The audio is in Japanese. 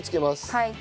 はい。